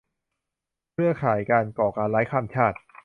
เครือข่ายการก่อการร้ายข้ามชาติ